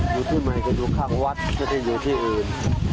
อยู่ที่ใหม่ก็อยู่ข้างวัดจะได้อยู่ที่อื่น